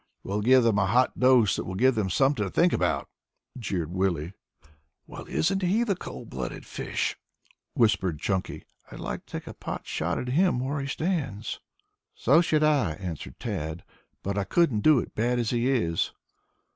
We'll give them a hot dose that will give them something to think about," jeered Willie. "Well, isn't he the cold blooded fish?" whispered Chunky. "I'd like to take a pot shot at him right where he stands." "So should I," answered Tad. "But I couldn't do it, bad as he is."